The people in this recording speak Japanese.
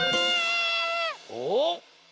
おっ！